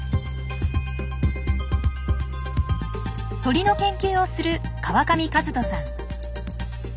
鳥の研究をする川上和人さん。